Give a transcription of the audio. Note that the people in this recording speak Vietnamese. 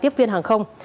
giúp viên hàng không